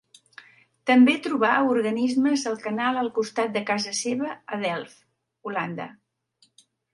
També trobà organismes al canal al costat de casa seva a Delft, Holanda.